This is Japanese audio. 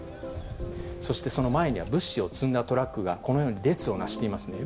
そしてその前には物資を積んだトラックが、このように列をなしていますね。